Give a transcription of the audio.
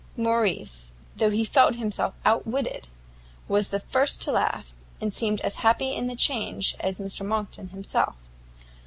Morrice, though he felt himself outwitted, was the first to laugh, and seemed as happy in the change as Mr Monckton himself.